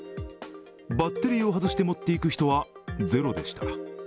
バッテリーを外して持っていく人はゼロでした。